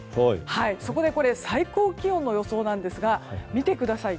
そこで最高気温の予想なんですが見てください。